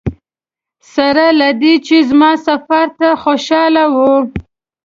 سره له دې چې زما سفر ته خوشاله وه.